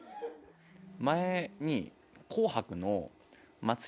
前に。